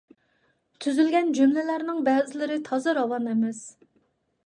تۈزۈلگەن جۈملىلەرنىڭ بەزىلىرى تازا راۋان ئەمەس،.